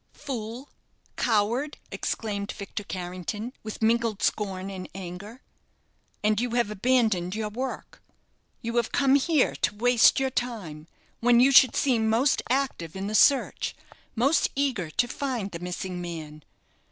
"Fool! coward!" exclaimed Victor Harrington, with mingled scorn and anger. "And you have abandoned your work; you have come here to waste your time, when you should seem most active in the search most eager to find the missing man.